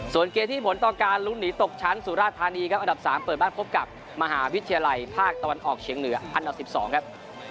ส่วนเกมที่ผลต่อการลุ้นหนีตกชั้นสุราชธานีครับอันดับ๓เปิดบ้านพบกับมหาวิทยาลัยภาคตะวันออกเฉียงเหนืออันดับ๑๒ครับ